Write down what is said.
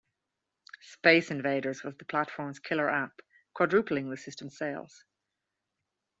"Space Invaders" was the platform's killer app, quadrupling the system's sales.